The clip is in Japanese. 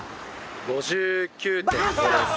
５９．５です。